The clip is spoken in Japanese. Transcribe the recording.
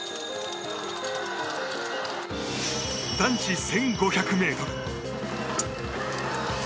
男子１５００ｍ。